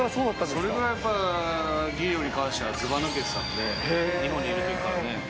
それくらいやっぱ、技量に関してはずば抜けてたので、日本にいるときからね。